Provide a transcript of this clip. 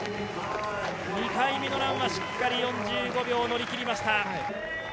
２回目のランはしっかり４５秒乗り切りました。